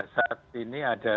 saat ini ada